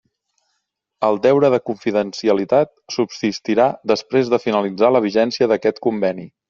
El deure de confidencialitat subsistirà després de finalitzar la vigència d'aquest conveni.